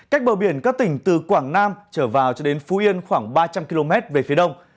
cách bờ biển các tỉnh từ quảng nam trở vào cho đến phú yên khoảng ba trăm linh km về phía đông